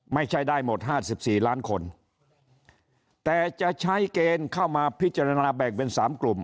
ไม่ใช่ได้หมดห้าสิบสี่ล้านคนแต่จะใช้เกณฑ์เข้ามาพิจารณาแบ่งเป็นสามกลุ่ม